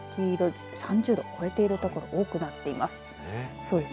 紫色３０度を超えている所が多くなっています。